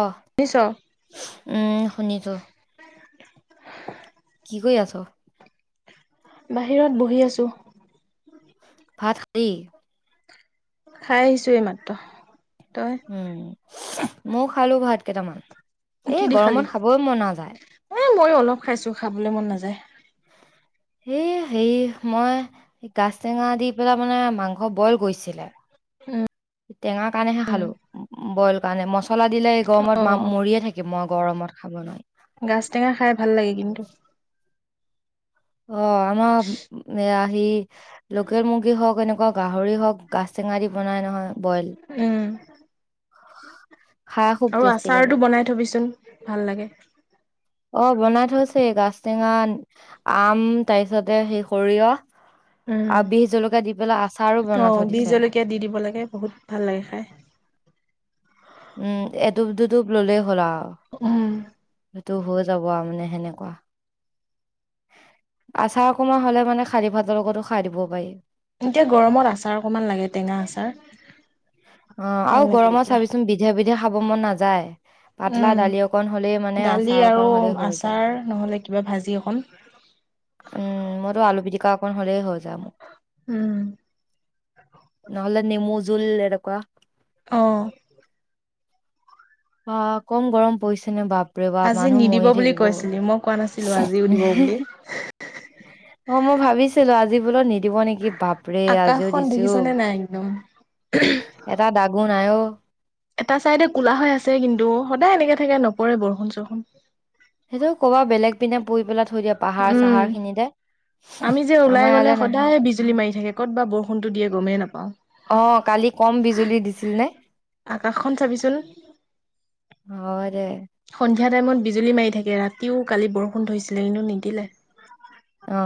অহ, শুনিছ উম শুনিছো। কি কৰি আছ? বাহিৰত বহি আছো। ভাত খালি? খাই আহিছো এই মাত্ৰ। তই উম ময়ও খালো ভাত কেইটামান। এ কি দি খালি গৰমত খাবই মন নযায় এ অলপ খাইছো খাবলৈ মন নাযায়। এই হে মই গাজ টেঙা দি পেলাই মানে মাংস বইল কৰিছিলে উম টেঙা কাৰণেহে উম খালো বইল কাৰণে মছলা দিলে অ গৰমত ম মৰিয়ে থাকি মই গৰমত খাব নোৱাৰো। গাছ টেঙা খাই ভাল লাগে কিন্তু। অ আমাৰ এ স লোকেল মুৰ্গী হওক এনেকুৱা গাহৰি হওক গাজ টেঙা দি বনাই নহয়। বইল উম খাই খুব আৰু টেষ্টি লাগে। আচাৰতটো বনাই থবিচোন ভাল লাগে। অ বনাই থৈছে গাজটেঙা আম তাৰপিছতে সেই সৰিয়হ হয় উম আৰু বিষ জলকীয়া দি পেলাই আচাৰো অ বনাই থৈ বি দিছে। জলকীয়া দি দিব লাগে বহুত ভাল লাগে খাই উম এটোপ -দুটোপ ললেই হ'লা উম। টো হৈ যাব আৰু মানে সেনেকুৱা। আচাৰকমা হ'লে মানে শালি ভাতৰ লগতো খাই দিব পাৰি এতিয়া গৰমত আচাৰ অকমান লাগে টেঙা আচাৰ অহ ভাল আৰু লাগে গৰমত তেতিয়া চাবিচোন বিধে বিধে খাব মন নাযায় পাতলা উম দালি অকণ হলেই মানে দালি আচাৰ অকণ আৰু হলেই হৈ যায় আচাৰ নহ'লে কিবা ভাজি অকণ উম মইতো আলু পিটিকা অকণ হ'লেই হল যামো উম নহলে নেমু জোল এনেকুৱা অহ। অ কম গৰম পৰিছে নে বাপ ৰে বাপ আজি মানুহ নিদিব মৰি বুলি থাকিব কৈছিলি মই কোৱা নাছিলো আজিও দিব এহে বুলি হে অ মই ভাবিছিলো আজি বোলত নিদিব নেকি? বাপৰে আজিও আকাশখন দিছে অ দেখিছনে নাই একদম এটা দাগো নাই অ। এটা চাইডে কুলা হৈ আছে কিন্তু সদায় এনেকে থাকে নপৰে বৰষুণ চৰষুণ সেইটো কবা বেলেগ পিনে পৰি পেলাই থৈ দিয়ে পাহাৰ উম চাহাৰ খিনি যে আমি যে ওলাই গলে সদায় বিজুলী মাৰি থাকে ক'ত বা বৰষুণতো দিয়ে গমেই নাপাওঁ। অ কালি কম বিজুলী দিছিল নে। আকাশখন চাবিচোন। হয় দে। সন্ধিয়া টাইমত বিজুলী মাৰি থাকে ৰাতিও কালি বৰষুণ ধৰিছিলে কিন্তু নিদিলে অ।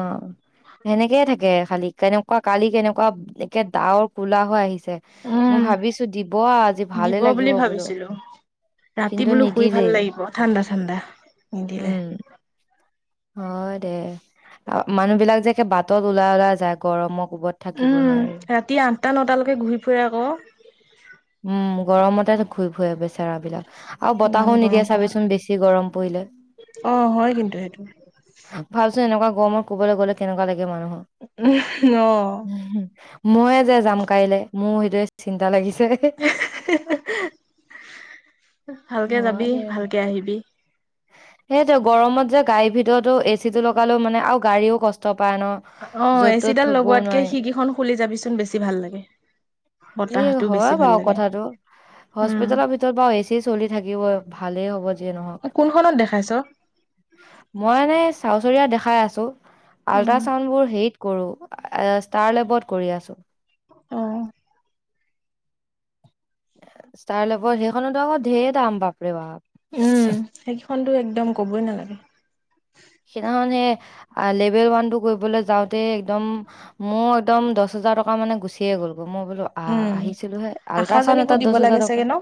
সেনেকে থাকে খালি কেনেকোৱা কালি কেনেকোৱা একে ডাৱৰ কোলা হৈ আহিছে মই উম ভাবিছো দিব আ আজি ভালে দিব লাগিব বুলি বোলো ভাবিছিলো ৰাতি কিন্তু বোলো শুই ভাল নিদিলেই লাগিব ঠাণ্ডা- ঠাণ্ডা নিদিলে উম হয় দে মানুহ বিলাক যে একে বাটত ওলাই-ওলাই যায় গৰমক কোবত থাকিব নোৱাৰে। আঠটা-নটালৈকে ঘূৰি ফুৰে আক উম গৰমতে ঘূৰি কয় বেচেৰা বিলাক আৰু ইমান বতাহো নিদিয়ে গৰমখনত চাবিচোন বেছি গৰম পৰিলে অ হয় কিন্তু সেইটো ভাবচোন এনেকোৱা গৰমত কবালৈ গ'লে কেনেকোৱা লাগি উম অহ ময়ে যে যাম কাইলে মোৰ সেইটোৱে চিন্তা লাগিছে এ হুে হুে হুে হু ভালকে হয় যাবি দে ভালকে আহিবি সেইটো গৰমত যে গাড়ীৰ ভিতৰতো এচি টো লগালো মানে আৰু গাড়ীও কষ্ট পায় ন। অহ য'ত ত'ত এচিডাল থবও লগোৱাতকে নোৱাৰি খিকিখন খুলি যাবিচোন বেছি ভাল লাগে এ বতাহটো বেছি হয় ভাল বাৰু লাগে কথাটো উম হস্পিতেলৰ ভিতৰত বাও এ চি চলি থাকিব ভালেই হ'ব যিয়ে নহক কোনখনত দেখাইছ মই মানে চাউচৰিয়া দেখাই আছো উম আল্ট্ৰাচাউণ্ড বোৰ হেৰিত কৰো ষ্টাৰ লেৱত কৰি আছো অহ ষ্টাৰ লেবৰ সেইখনতো আকৌ ঢেৰ দাম বাপৰে বা সেইখনতো একদম ক'বই নালাগে সেইদিনাখন সে লেভেল ওৱান টো কৰিবলৈ যাওঁতে একদম মোৰ একদম দচ হে দচ হাজাৰ টকা মানে গুচিয়ে গ'ল মই বোলো আহ উম আহিছিলো হে আল্ট্ৰাচাউণ্ড আশাজনীকো এটাত দিব দহ হোজাৰ লাগে টকা চাগে ন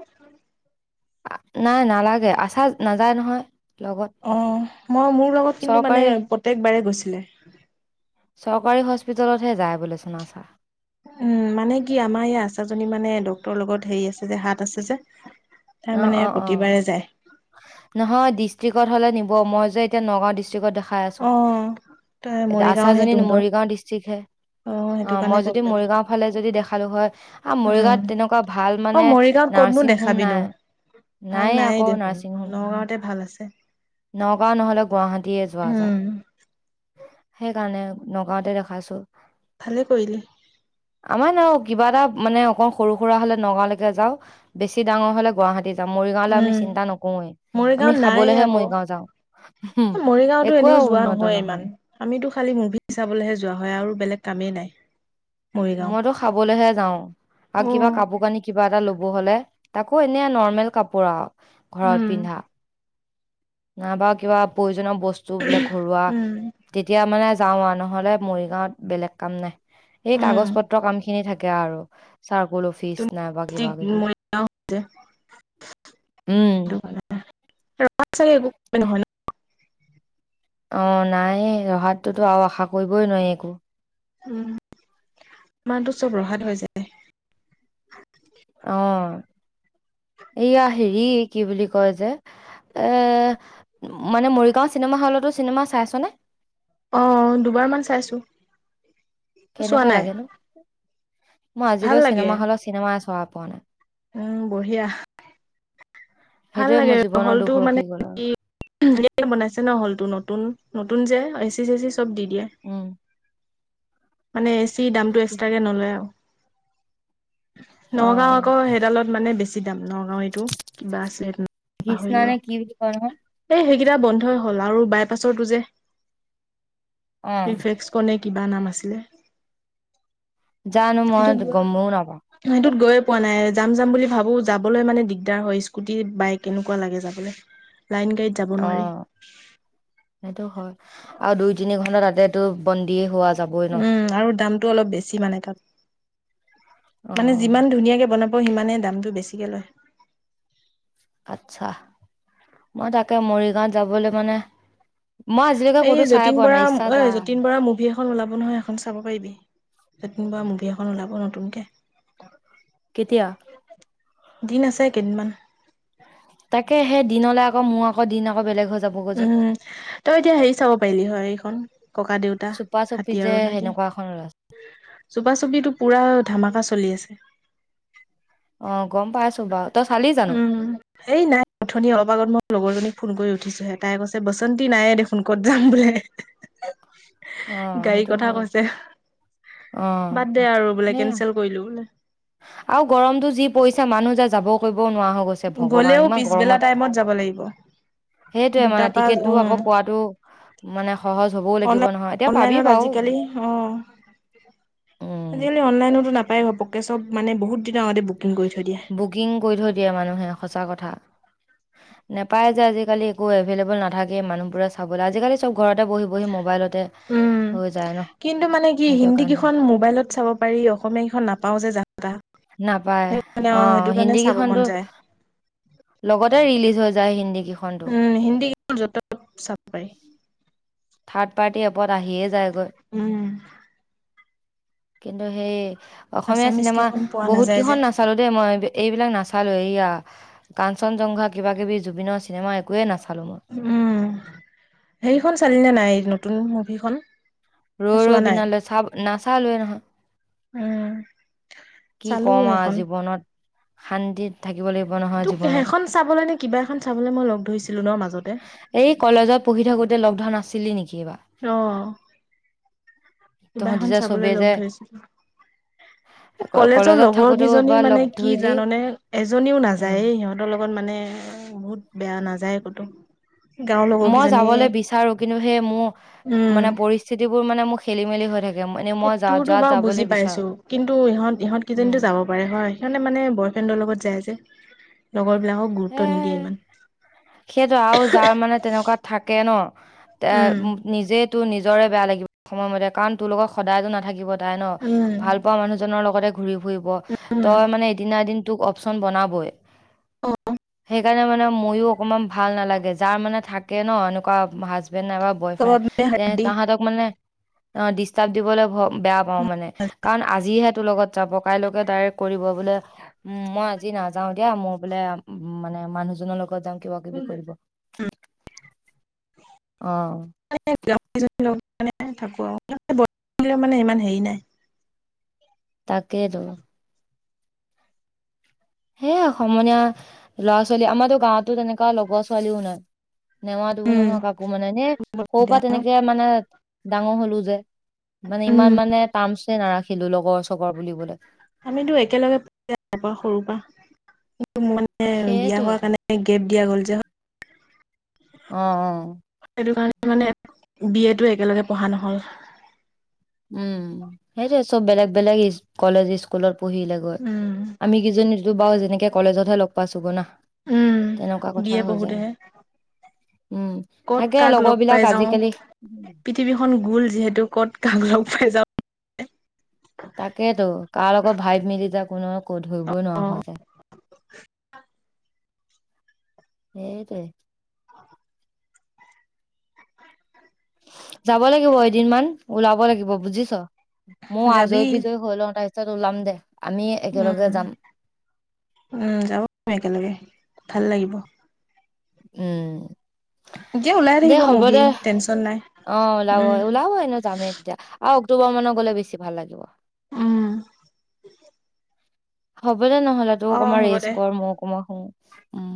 নাই নালাগে আছা নাযায় নহয় লগত অ মই মোৰ লগত কিন্তু মানে চৰকাৰী প্ৰত্যেকবাৰে গৈছিলে চৰকাৰী হস্পিতেলতহে যায় বোলে চিনেমা চা উম মানে কি আমাৰ এই আচাজনী মানে ডক্তৰৰ লগত হেৰি আছে যে হাত আছে যে তাই অহ মানে অহ অহ প্ৰতিবাৰে যায় নহয় ডিষ্ট্ৰিকত হলে নি অহ মই যে এতিয়া নগাঁও ডিষ্ট্ৰিকত দে অহ এতিয়া আচাজনী মৰিগাঁও ডিষ্ট্ৰিক হে সেইটো অ কাৰণে মই যদি প্ৰব্লেম মৰিগাওঁ ফালে যদি দেখালো হয় আ উম মৰিগাঁওত তেনেকোৱা ভাল অ মানে। মৰিগাঁৱত ক'তনো নাৰ্ছিং হোম দেখাবিনো নাই ভাল নায়ে নাই আকৌ দেখোন নাৰ্ছিং হোম নগাঁওতে ভাল আছে। নগাঁও নহ'লেও গুৱাহাটীয়ে যোৱা যায়। উম সেইকাৰণে নগাঁতে দেখাইছো। ভালে কৰিলে। আমাৰ ন কিবা এটা মানে অকণ সৰু সুৰা হলে নগাঁওলৈকে যাওঁ বেছি ডাঙ হলে গুৱাহাটী যা মৰিগাঁওলৈ আমি উম চিন্তা নকৰোৱে আমি খাবলৈহে মৰিগাঁও যাওঁ এই মৰিগাওঁতো একোৱে এনেও যোৱা উন্নত নহয় ইমান আমিতো খালি মুভি চাবলৈহে যোৱা হয় আৰু বেলেগ কামেই নাই মৰিগাঁও মইতো খাবলৈহে যাওঁ আৰু কিবা উম কাপোৰ কানি কি কিবা এটা ল'ব হ'লে তাকো এনে নৰ্মেল কাপোৰ আৰু ঘৰত উম পিন্ধা নাইবা কিবা প্ৰয়োজনিয় বস্তু বোলে ঘৰুৱা তেতিয়া মানে যাওঁৱ নহলে মৰিগাঁৱত বেলেগ কাম নাই এই উম কাগজ পত্ৰৰ কাম খিনি থাকে আৰু চাৰ্কুল অফিচ নাইবা কিবা ম কিবি হৈছে উম [unintelligible] স ৰঙা চ একো নহয় ন [unintelligible] অহ নাই ৰহাতটোতো আৰু আশা কৰিবই নোৱাৰি একো উম মাৰটো চব ৰসাত হৈ যায় অহ এয়া হেৰি কি বুলি কয় যে এ মানে মৰিগাঁও চিনেমা হলতো চিনেমা চাইছনে অহ দুবাৰমান চাইছো চোৱা কেনেকোৱা নাই লাগে নো মই ভাল আজিলৈ লাগে চিনেমা হলত চিনেমা চোৱা পোৱা নাই উম বঢ়িয়া ভাল সেইটোৱে লাগে মোৰ জীৱনৰ হলটো দুখ মানে ৰখি গ'ল আৰু কি এ বনাইছে ন হ'ল তো নতুন নতুন যে। এচি চেচি চব দি দিয়ে উম মানে। দামটো এক্সট্ৰাকে নলয় আও। নগাঁও অঁ আকৌ সেইডালত মানে বেছি দাম। নগাঁও এইটো কিবা আছে সেইদিনা কৃষ্ণা পাহৰিলো নে আও। কি বুলি কয় নহয় এ সেইকেইটা বন্ধই হ'ল আৰু। বাইপাছৰটো যে অঁ ৰিফলেক্স কনে কিবা নাম আছে। জানো মই সেইটোত গৈ গমো নাপাওঁ সেইটোত গৈ। পোৱা নাই যাম যাম বুলি ভাবো যাবলৈ মানে দিগদাৰ হয় স্কুটি বাইক কেনেকোৱা লাগে যাবলে। লাইন গাড়ীত যাব নোৱাৰি। অঁ সেইটো হয় আৰু দুই তিনি ঘন্টা তাতেতো বন্দিয় হোৱা আছে। উম আৰু দামতটো অলপ বেছি মানে তাত অ মানে যিমান ধুনীয়াকে বনাব। আকৌ সিমানে দামটো বেছিকে লয়। আচ্ছা মই তাকে মৰিগাঁৱত যাবলৈ মানে। মই আজিলৈকে এই ক'তো চাই যতীন পোৱা বৰা নাই ইচ্ছা অঐ যায় যতীন বৰা মুভি এখন ওলাব নহয় এখন চাব পাৰিবি। যন বাৰ মুভি এখন ওলাব নতুনকে। কেতিয়া। দিন আছে কেইদিনমান। তাকে সেই দিনলে আকৌ মোৰ আকৌ দিন আকৌ বেলেগ হৈ যাবগৈ যে। উম তই এতিয়া হেৰি চাব পাৰিলি হয় এইখন ককা দেউতা চুপা চুপি হাতী যে আৰু নাতি। সেনেকুৱা এখন ওলাইছে চোপাচুপিতটো পুৰা ধামাকা চলি আছে। অ গম পাইছো বাৰু তই চালি জানো। উম এই নাই উঠনি অলপ আগত মই লগৰজনী ফোন কৰি উঠো। উঠিছোহে তাই কৈছে বসন্তি নাইয়ে দেখোন ক'ত যাম বোলে। অ গাড়ীৰ সেইটো কথা হয় কৈছে অ বাদ দে আৰু বোলে সেয়া কেনচেল কৰিলো বোলে। আৰু গৰমতটো যি পৰিছে মানুহ যে যাব কৰিব। নোৱাৰা হৈ গৈছে ভগৱান গ'লেও ইমান পিছবেলা গৰমত। টাইমত যাব লাগিব সেইটোয়ে দুটা মানে পা টিকেটটো উম আকৌ পোৱাতটো। মানে সহজ হবও লাগিব নহয় এতিয়া অনলাইন পাবি অনলাইনত বাও। আজিকালি অ আজিকালি অনলাইনতো নাপাই ঘপকে বহুত দিনৰ আগতে বু। বুকিং কৰি থৈ দিয়ে মানুহে সঁচা কথা। নোপাই যে আজিকি একো এভেইলেবল নাথাকে, মানুহবোৰে চাবলৈ আজিকালি চব ঘৰতে বহি বহি মোবাইলত। উম হয়। কিন্তু মানে কি হিন্দী কেইখন মোবাইলত চাব পাৰি, অসমীয়া কেইখন নাপাও যে। তা নাপায় সেই অ সেইটো কাৰণে হিন্দী চাব মন কেইখনো। যায় লগতে ৰিলিজ হৈ যায় হিন্দী কেইখনো। উম হিন্দী যত চ পায়। থাৰ্ড পাৰ্টি এপত আহিয়ে যায়গৈ উম, কিন্তু সেই। অসমীয়া আছামিজ চিনেমা কেইখন পোৱা বহুত নাযায় যে কেইখন নাচালো দেই মই। এইবিলাক নাচালোঁ। এইেয়া কাঞ্চনজংঘা কিবা কিবি জুবিনৰ চিনেমা একোৱে নাচাল। উম, হেৰিখন চালিনে নাই নতুন মুভিখন। ৰৌ চোৱা ৰৈ নাই বিনা লৈ চাব নাচা লোৱে নহয়। উম। কি চালো কম আৰু সেইখন জীৱনত শান্তিত থাকি। তোক সেইখন চাবলৈ নে কিবা এখন চাবলৈ মই লগ ধৰিছো। এই কলেজত পঢ়ি থাকোতে লগ ধান আছিলি নেকি এইবাৰ। অহ। তহঁতি যে চবেই যে। ক- কলেজৰ কলেজত লগৰ থাকোতেও কেইজনী এবাৰ লগ মানে কি ধৰিলি, জানানে, এজনীও উম। নাযায় সিহঁতৰ লগত মানে। বহুত বেয়া নাযায় কতো। গাঁওৰ লগৰ মই কেইজনীয়ে যাবলৈ বিচাৰো কিন্তু সেই মোৰ উম মানে পৰিস্থিতিবোৰ মানে মোৰ খেলি মেলি হৈ থাকে। মানে এই মই যা তোৰতো যাত বা যাবলৈ বুজি বিচাৰো। পাইছো কিন্তু ইহত ইহঁত উম, কেইজনীটো যাব পাৰে হয় সিহঁতে মানে বয়ফ্ৰেণ্ড। লগত যায় যে, লগৰ বিলাকক গুৰুত্ব নিদিয়ে ইমান। সেইটোৱে আৰু যাৰ মানে তেনেকুৱা থাকে ন এ উম নিজে। টো নিজৰে বেয়া লাগিব সময়মতে কাৰণ তোৰ লগত সদায়তো নাথাকিব। তাই ন উম ভাল পোৱা মানুহজনৰ লগতে। ঘুৰি ফুৰিব, উম তই মানে এদিনা এদিন তোক অপচন বনাবই। অ সেইকাৰণে মানে ময়ো অকমান ভাল নালাগে। যাৰ মানে থাকে ন এনেকুৱা হাজ। বেন নাইবা বয়ফ্ৰূ কাবাব মে হাড্ডি তাহতক মানে ডিষ্টাৰ্ব দিবলৈ ভ [unintelligible] বেয়া পাও মানে, কাৰণ আজিহে তোৰ লগত। যাব কাইলৈকে ডাইৰেক্ কৰিব বোলে উ মই আজি নাযাও দিয়া মোৰ বোলে মানে মানুহ। জনৰ লগত যাম কিবা কিবি কৰিব। অ লগত থাকো আৰু মানে ইমান হেৰি নাই। তাকেতো। সে সমনীয়া ল'ৰা ছোৱালী আমাৰতো গাঁৱতো তেনেকুৱা লগৰ ছোৱালীও নাই। নেমাতো উম নহয় কাকো মানে এনে সৰু পৰা তেনেকে মানে ডাঙৰ হলো যে। মানে উম ইমান মানে টামচে নাৰাখিলো লগৰ চৰ বুলিবলে। আমিতো একেলগে পঢ়া সৰু পৰা। মোৰ মানে বিয়া হোৱা সেইটোৱেতো কাৰণে গেপ দিয়া গ'ল যে। অ অ। সেইটো কাৰণে মানে বি এ টো একেলগে পঢ়া নহল। উম সেইটোৱে, চব বেলেগ বেলেগ কলেজ স্কুলত পঢ়িলে গৈ আমি কিজনী বাৰু যেনেকে কলেজতহে লগ পাইছো গৈ নহ? উম বি এ পঢ়োতেহে। উম কত থাকে কাক লগৰ লগ বিলাক পাই যাও, আজিকালি পৃথিৱীখন গোল যিহেতু কত কাক লগ। খাই যাব। তাকেতো কাৰ লগত ভাই মিলি যাওঁ কোনো ক ধৰিবই নোৱাৰা হৈ যায়। উ সেইটোৱে। যাব লাগিব এদিন মান ওলাব লাগিব বুজিছ। মই যাওঁ যাবি। আজৰি বিজয়ী হৈ লওঁ তাৰপিছত ওলাম দে। আমি একেলগে উম যাম উম যাব একেলগে ভাল লাগিব। উম এতিয়া ওলাই দে থাকিব হ'ব মুভি দে টেনশ্যন নাই। অ ওলাব উম, ওলাব এনে যামেই তেতিয়া আৰু অক্টোবৰ মানত গলে বেছি ভাল লাগিব। উম! হব দে নহ'লে তো অ', অকমান হ'ব ৰেষ্ট দে। কৰ মই অকমান শু উম!